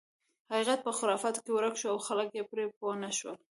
حقیقت په خرافاتو کې ورک شو او خلک یې پرې پوه نه شول.